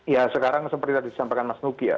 ya sekarang seperti tadi disampaikan mas nugia